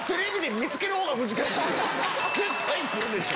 絶対来るでしょ。